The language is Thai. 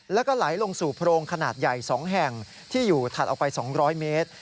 แล้วก็ไหลลงสู่โพรงขนาดใหญ่๒แห่งที่อยู่ถัดออกไป๒๐๐เมตร